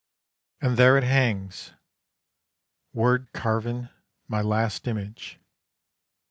And there it hangs, word carven, my last image.